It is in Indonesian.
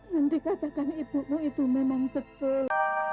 yang dikatakan ibumu itu memang betul